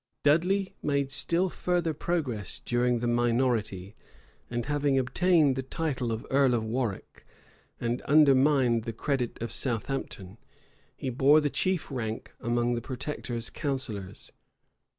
Dudley made still further progress during the minority; and having obtained the title of earl of Warwick, and undermined the credit of Southampton, he bore the chief rank among the protector's counsellors.